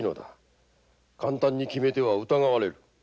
簡単に決めては疑われる。